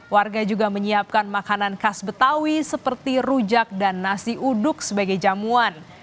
warga juga menyiapkan makanan khas betawi seperti rujak dan nasi uduk sebagai jamuan